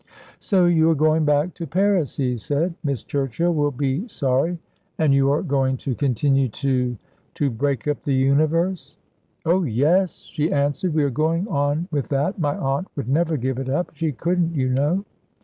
"So you are going back to Paris," he said. "Miss Churchill will be sorry. And you are going to continue to to break up the universe?" "Oh, yes," she answered, "we are going on with that, my aunt would never give it up. She couldn't, you know."